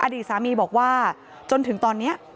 อดีตสามีบอกว่าจนถึงตอนนี้